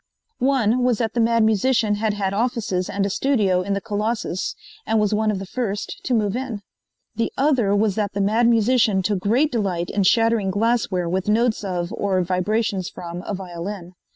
One was that the Mad Musician had had offices and a studio in the Colossus and was one of the first to move in. The other was that the Mad Musician took great delight in shattering glassware with notes of or vibrations from a violin.